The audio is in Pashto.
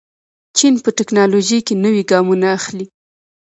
چین په تکنالوژۍ کې نوي ګامونه اخلي.